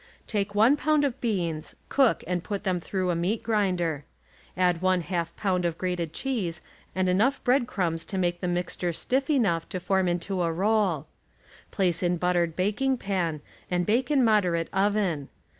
Take one pound of beans, cook and Complete ' put them through a meat grinder; add one half meat ^"^,.. pound of grated cheese and enough bread crumbs substitution , V „.» to make the mixture stifi enough to form into a roll. Place in buttered baking pan and bake in moderate oven.